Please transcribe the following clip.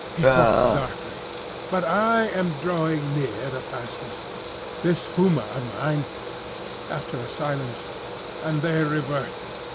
He thought darkly. "But I am drawing near the fastness. This puma of mine—" After a silence, "And they revert.